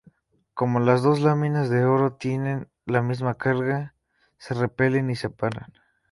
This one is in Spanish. Como las dos láminas de oro tienen la misma carga, se repelen y separan.